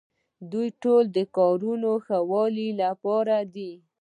دوی ټول د کارونو د ښه والي لپاره دي.